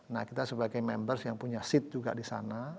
nah kita sebagai members yang punya seat juga di sana